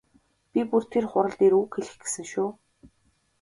Би бүр тэр хурал дээр үг хэлэх гэсэн шүү.